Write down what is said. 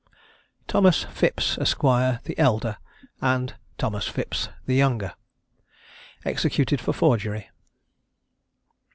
THOMAS PHIPPS, ESQ. THE ELDER, AND THOMAS PHIPPS, THE YOUNGER. EXECUTED FOR FORGERY.